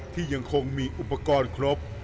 ที่ยังคงมีอุปกรณ์ครบ